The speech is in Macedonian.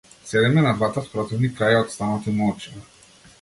Седиме на двата спротивни краја од станот и молчиме.